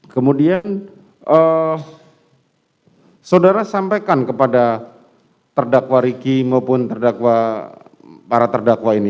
kemudian saudara sampaikan kepada terdakwa riki maupun terdakwa para terdakwa ini